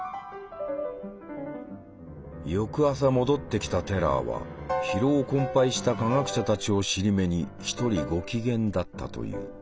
翌朝戻ってきたテラーは疲労困ぱいした科学者たちを尻目に一人ご機嫌だったという。